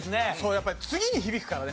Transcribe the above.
やっぱ次に響くからね！